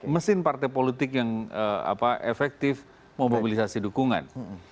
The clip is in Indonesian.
mesin partai politik yang efektif memobilisasi dukungan